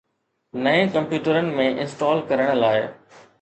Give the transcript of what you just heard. نئين ڪمپيوٽرن ۾ انسٽال ڪرڻ لاء